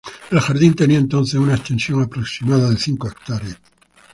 El jardín tenía entonces una extensión aproximada de cinco hectáreas.